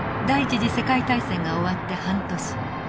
第一次世界大戦が終わって半年。